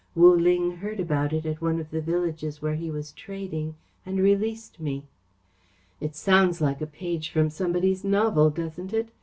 Wu Ling heard about it at one of the villages where he was trading and released me. It sounds like a page from somebody's novel, doesn't it?